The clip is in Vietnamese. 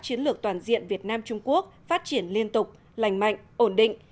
chiến lược toàn diện việt nam trung quốc phát triển liên tục lành mạnh ổn định